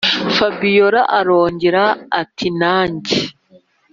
fabiora arongera ati”najye